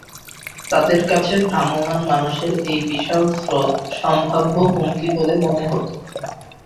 তাদের কাছে ভ্রাম্যমাণ মানুষের এই বিশাল স্রোত সম্ভাব্য হুমকি বলে মনে হত।